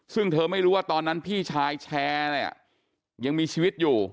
ซึ่งเธอไม่รู้ว่าตอนนั้นพี่ชายแชร์เนี่ยยังมีชีวิตอยู่